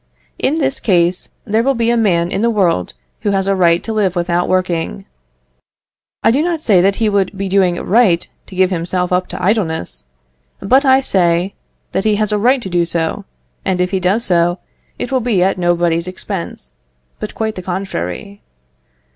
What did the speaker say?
In this case, there will be a man in the world who has a right to live without working. I do not say that he would be doing right to give himself up to idleness but I say, that he has a right to do so; and if he does so, it will be at nobody's expense, but quite the contrary.